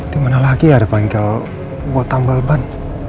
dimana lagi ada bengkel buat tambal ban